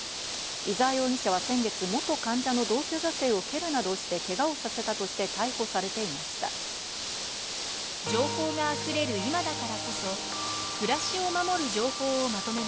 伊沢容疑者は先月、元患者の同居女性をけるなどして、けがをさせたとして逮捕お天気です。